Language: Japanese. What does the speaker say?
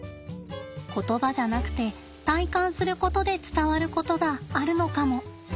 言葉じゃなくて体感することで伝わることがあるのかも。